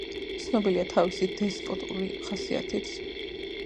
ცნობილია თავისი დესპოტური ხასიათით.